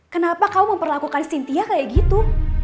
kenapa kau memperlakukan sintia kayak gitu